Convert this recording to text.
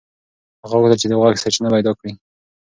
هغه غوښتل چې د غږ سرچینه پیدا کړي.